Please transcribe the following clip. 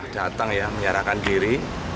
datang ya menyerahkan diri